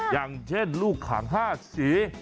อย่างเช่นลูกขัง๕สี